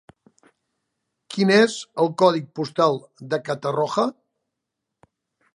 Quin és el codi postal de Catarroja?